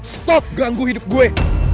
stop ganggu hidup gue